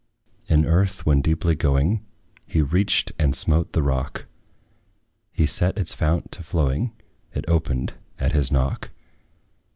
In earth, when deeply going, He reached and smote the rock; He set its fount to flowing It opened at his knock.